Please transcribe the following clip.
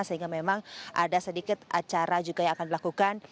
sehingga memang ada sedikit acara juga yang akan dilakukan